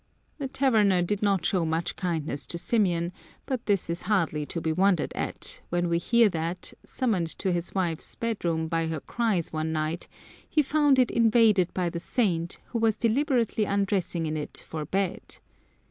^ The tavemer did not show much kindness to Symeon ; but this is hardly to be wondered at, when we hear that, summoned to his wife's bedroom by her cries one night, he found it invaded by the saint, who was deliberately undressing in it for bed.